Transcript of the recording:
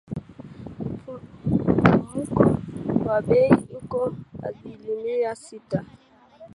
Mfumuko wa bei uko asilimia sita.